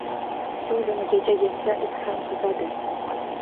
• Suv dumigacha yetsa it ham suzadi.